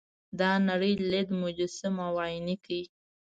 دا نړۍ لید مجسم او عیني کړي.